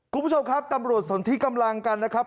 คุณผู้ชมครับตำรวจสนที่กำลังกันนะครับ